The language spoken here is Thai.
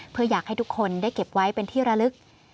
เพื่ออยากให้ทุกคนได้เก็บไว้เป็นที่ระลึก